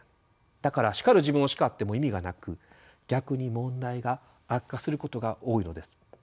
だから叱る自分を叱っても意味がなく逆に問題が悪化することが多いのです。